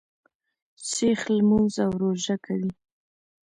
شیخ لمونځ او روژه کوي.